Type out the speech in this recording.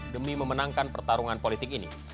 demi memenangkan pertarungan politik ini